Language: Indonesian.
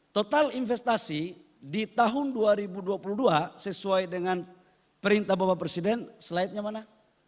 total investasi di tahun dua ribu dua puluh dua sesuai dengan perintah bapak presiden slide nya mana